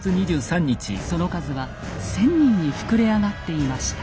その数は１，０００人に膨れ上がっていました。